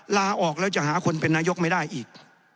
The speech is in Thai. ลาออกแล้วจะหาคนเป็นนายกไม่ได้อีก